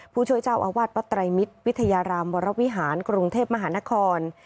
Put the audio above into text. ผู้ช่วยเจ้าอาวาสวัดไตรมิตรวิทยารามวรวิหารกรุงเทพมหานคร